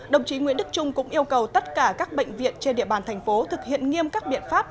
đồng chí nguyễn đức trung cũng yêu cầu tất cả các bệnh viện trên địa bàn thành phố thực hiện nghiêm các biện pháp